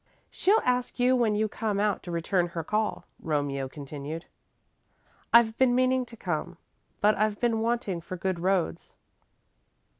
"She'll ask you when you come out to return her call," Romeo continued. "I've been meaning to come, but I've been waiting for good roads."